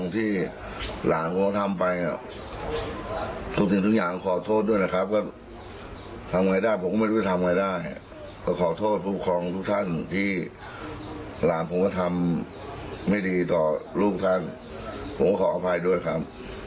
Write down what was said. ที่หลังผงพักทำไม่ดีต่อลูกถ้าผมขออภัยด้วยค่ะ